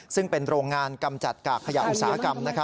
ซึ่งเป็นโรงงานกำจัดกากขยะอุตสาหกรรม